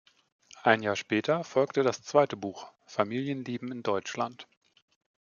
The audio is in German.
Ein Jahr später folgte das zweite Buch "Familienleben in Deutschland".